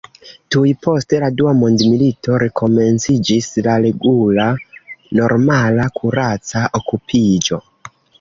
Tuj post la Dua Mondmilito, rekomenciĝis la regula, normala kuraca okupiĝo.